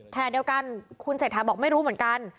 ขณะเดียวกันคุณเศรษฐาบอกไม่รู้เหมือนกัน